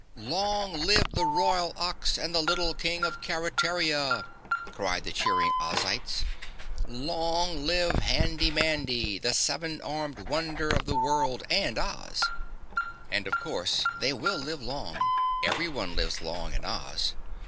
"Long live the Royal Ox and the Little King of Keretaria!" cried the cheering Ozites. "Long live Handy Mandy, the seven armed wonder of the world and OZ!" And, of course, they will live long everyone lives long in Oz.